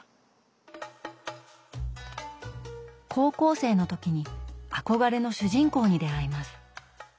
高校生の時に憧れの主人公に出会います。